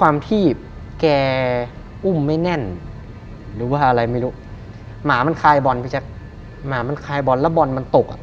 ความที่แกอุ้มไม่แน่นหรือว่าอะไรไม่รู้หมามันคลายบอลพี่แจ๊คหมามันคลายบอลแล้วบอลมันตกอ่ะ